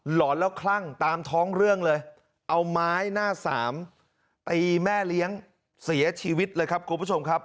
หอนแล้วคลั่งตามท้องเรื่องเลยเอาไม้หน้าสามตีแม่เลี้ยงเสียชีวิตเลยครับคุณผู้ชมครับ